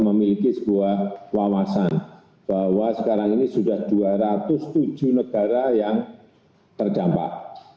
memiliki sebuah wawasan bahwa sekarang ini sudah dua ratus tujuh negara yang terdampak